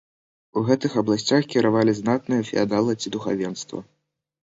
У гэтых абласцях кіравалі знатныя феадалы ці духавенства.